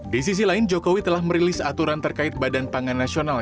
di sisi lain jokowi telah merilis aturan terkait badan pangan nasional